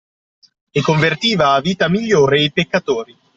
E convertiva a vita migliore i peccatori.